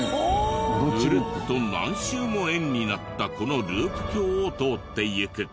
グルッと何周も円になったこのループ橋を通っていく。